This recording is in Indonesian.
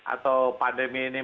atau pandemi ini